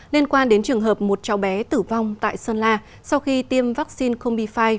liên quan đến trường hợp một cháu bé tử vong tại sơn la sau khi tiêm vaccine combi năm